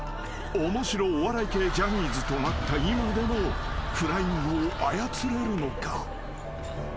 ［面白お笑い系ジャニーズとなった今でもフライングを操れるのか？］